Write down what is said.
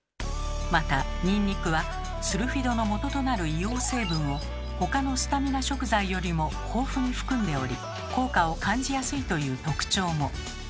またニンニクはスルフィドのもととなる硫黄成分を他のスタミナ食材よりも豊富に含んでおり効果を感じやすいという特徴も。